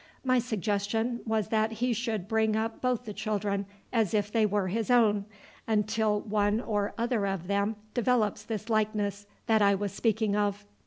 My suggestion was that he should bring up both the children as if they were his own, until one or other of them develops this likeness that I was speaking of."